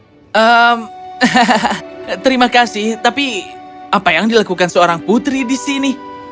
hmm terima kasih tapi apa yang dilakukan seorang putri di sini